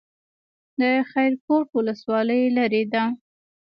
د خیرکوټ ولسوالۍ لیرې ده